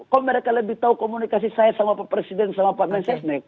kok mereka lebih tahu komunikasi saya sama pak presiden selama pak mensesnek